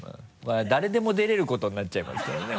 誰でも出れることになっちゃいますからね